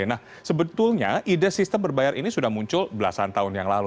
nah sebetulnya ide sistem berbayar ini sudah muncul belasan tahun yang lalu